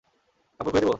কাপড় খুলে দেব?